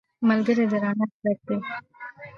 ملګری د رڼا څرک دی